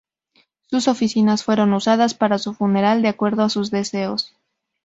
Sus oficinas fueron usadas para su funeral de acuerdo a sus deseos.